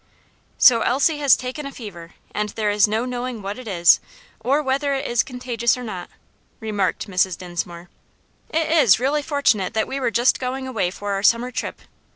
"So Elsie has taken a fever, and there is no knowing what it is, or whether it is contagious or not," remarked Mrs. Dinsmore. "It is really fortunate that we were just going away for our summer trip.